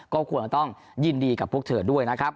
ก็ควรต้องยินดีกับพวกเธอด้วยนะครับ